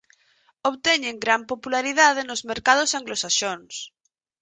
Obteñen gran popularidade nos mercados anglosaxóns.